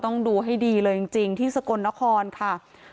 ต้องดูให้ดีเลยจริงที่สกลนครค่ะ